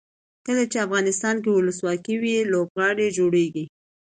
کله چې افغانستان کې ولسواکي وي لوبغالي جوړیږي.